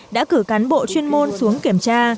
đã cử cán bộ chuyên môn xuống kiểm tra